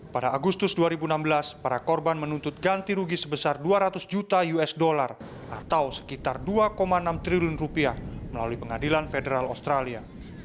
pada agustus dua ribu enam belas para korban menuntut ganti rugi sebesar dua ratus juta usd atau sekitar dua enam triliun rupiah melalui pengadilan federal australia